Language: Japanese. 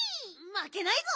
まけないぞ。